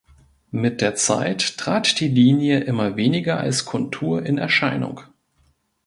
Mit der Zeit trat die Linie immer weniger als Kontur in Erscheinung.